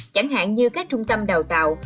chẳng hạn như các trung tâm đào tạo